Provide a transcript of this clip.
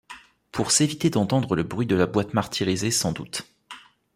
Pour s’éviter d’entendre le bruit de la boîte martyrisée, sans doute.